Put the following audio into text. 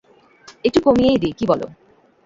একটু কমিয়েই দি, কী বলো?